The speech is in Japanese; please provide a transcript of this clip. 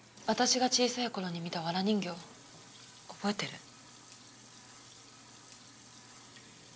私が小さいころに見たわら人形覚えてる？